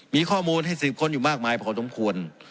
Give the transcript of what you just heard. มีข้อมูลให้สืบค้นอยู่มากมายพอสมควร